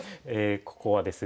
ここはですね